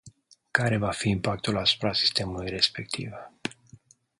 Care va fi impactul asupra sistemului respectiv?